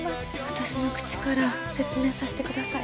私の口から説明させてください。